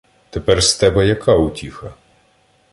Тепер з тебе яка утіха?